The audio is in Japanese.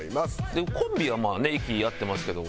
コンビはまあね息合ってますけど。